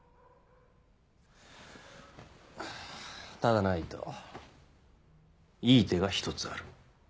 ・ただな伊藤いい手が１つある。